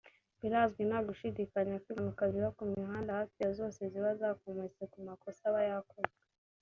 Birazwi nta gushidikanya ko impanuka ziba ku mihanda hafi ya zose ziba zikomotse ku makosa aba yakozwe